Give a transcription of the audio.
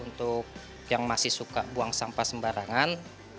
untuk yang masih suka buang sampah sembarangan